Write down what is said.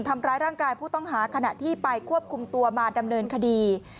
ทำร้ายร่างกายผู้ต้องหาขณะที่ไปควบคุมตัวมาดำเนินคดี